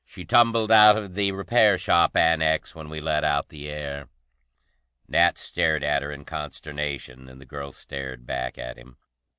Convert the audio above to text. "She tumbled out of the repair shop annex when we let out the air!" Nat stared at her in consternation, and the girl stared back at him.